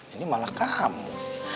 ini malah kamu